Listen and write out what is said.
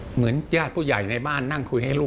เหมือนญาติผู้ใหญ่ในบ้านนั่งคุยให้ลูก